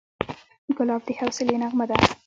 ګلاب د حوصلې نغمه ده.